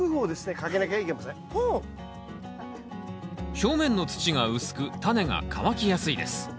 表面の土が薄くタネが乾きやすいです。